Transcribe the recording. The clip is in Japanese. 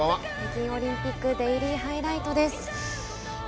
北京オリンピックデイリーハイライトです。